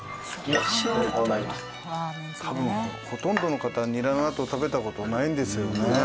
多分ほとんどの方はニラ納豆食べた事ないんですよね。